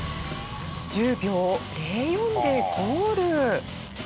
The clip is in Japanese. １０秒０４でゴール。